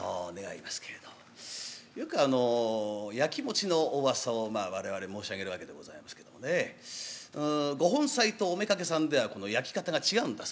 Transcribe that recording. よくあのやきもちのおうわさを我々申し上げるわけでございますけどもねご本妻とお妾さんではこのやき方が違うんだそうですな。